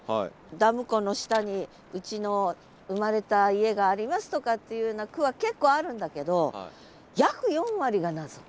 ダム湖の下にうちの生まれた家がありますとかっていうような句は結構あるんだけど「約四割」が謎。